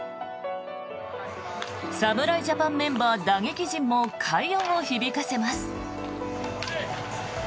侍ジャパンメンバー打撃陣も快音を響かせます。